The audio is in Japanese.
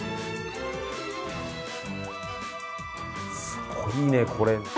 すごいねこれ。